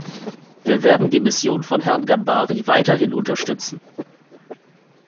Wir werden die Mission von Herrn Gambari weiterhin unterstützen.